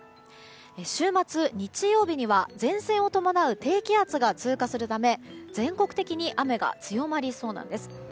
週末、日曜日には前線を伴う低気圧が通過するため全国的に雨が強まりそうなんです。